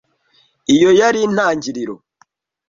Iyo yari intangiriro